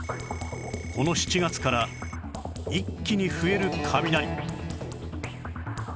この７月から一気に増える雷